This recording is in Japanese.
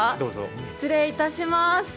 失礼いたします。